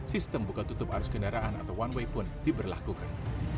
sistem buka tutup arus kendaraan atau one way pun diberlakukan